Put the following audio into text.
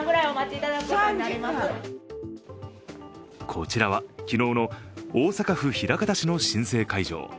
こちらは昨日の大阪府枚方市の申請会場。